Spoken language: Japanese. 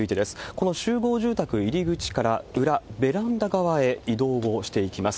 この集合住宅入り口から裏、ベランダ側へ移動をしていきます。